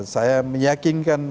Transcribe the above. saya meyakinkan untuk